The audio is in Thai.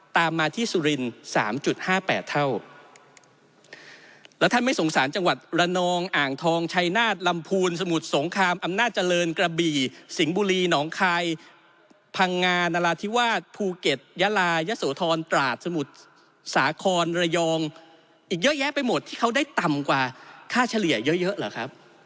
ตามมาที่สุรินสามจุดห้าแปดเท่าแล้วท่านไม่สงสารจังหวัดระนองอ่างทองชัยนาฏลำพูนสมุทรสงครามอำนาจเจริญกระบี่สิงห์บุรีหนองคายพังงานราธิวาสภูเก็ตยะลายะโสธรตราดสมุทรสาครระยองอีกเยอะแยะไปหมดที่เขาได้ต่ำกว่าค่าเฉลี่ยเยอะเยอะเหรอครับ